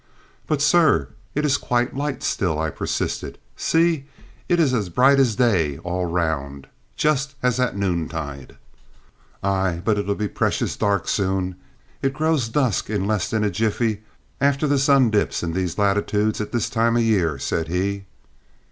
"But, sir, it is quite light still," I persisted. "See, it is as bright as day all round, just as at noontide!" "Aye, but it'll be precious dark soon! It grows dusk in less than a jiffey after the sun dips in these latitudes at this time o' year," said he.